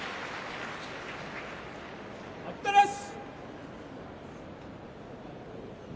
待ったなし。